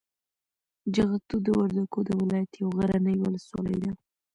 جغتو د وردګو د ولایت یوه غرنۍ ولسوالي ده.